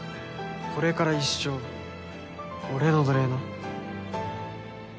これから一生俺の奴隷な。